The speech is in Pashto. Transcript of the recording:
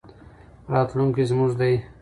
راتلونکی زموږ دی.